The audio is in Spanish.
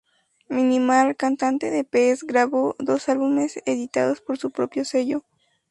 Minimal, cantante de Pez, grabó dos álbumes, editados por su propio sello.